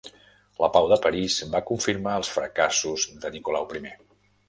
La Pau de París va confirmar els fracassos de Nicolau I.